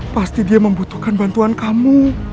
pasti dia membutuhkan bantuan kamu